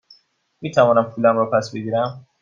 می توانم پولم را پس بگیرم؟